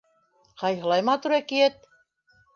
Ҡайһылай матур әкиәт!